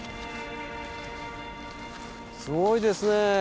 すごいですね